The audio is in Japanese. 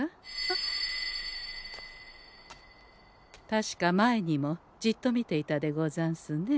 確か前にもじっと見ていたでござんすね。